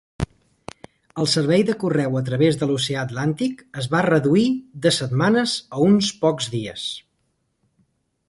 El servei de correu a través de l'Oceà Atlàntic es va reduir de setmanes a uns pocs dies.